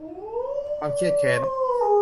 ความเคียดแค้น